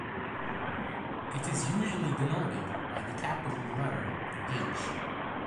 It is usually denoted by the capital letter "H".